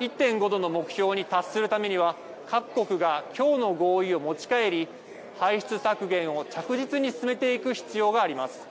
１．５度の目標に達するためには、各国がきょうの合意を持ち帰り、排出削減を着実に進めていく必要があります。